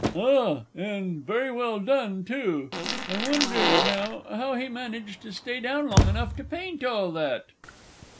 Ah, and very well done, too. I wonder, now, how he managed to stay down long enough to paint all that?